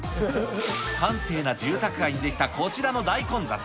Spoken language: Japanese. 閑静な住宅街に出来たこちらの大混雑。